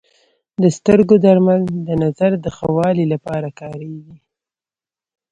د سترګو درمل د نظر د ښه والي لپاره کارېږي.